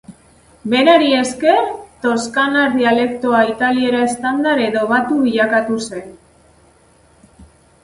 Berari esker toskanar dialektoa italiera estandar edo batu bilakatu zen.